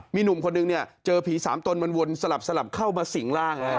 มีหนุ่มคนหนึ่งเจอผีศาสตรมันวนสลับเข้ามาสิ่งล่าง